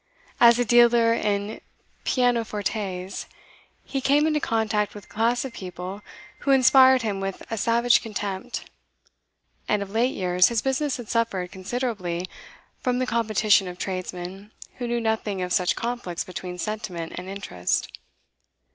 As a dealer in pianofortes, he came into contact with a class of people who inspired him with a savage contempt, and of late years his business had suffered considerably from the competition of tradesmen who knew nothing of such conflicts between sentiment and interest.